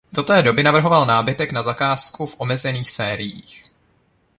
Do té doby navrhoval nábytek na zakázku v omezených sériích.